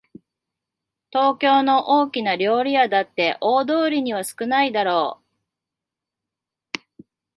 東京の大きな料理屋だって大通りには少ないだろう